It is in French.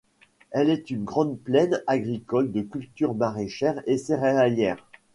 Elle est une grande plaine agricole de cultures maraîchères et céréalières.